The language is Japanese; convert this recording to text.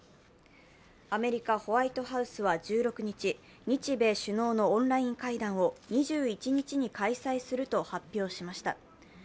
アメリカ・ホワイトハウスは１６日、日米首脳のオンライン会談を２１日に開催すると発表しました。